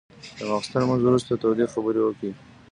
له ماخستن لمونځ وروسته تودې خبرې وکړې.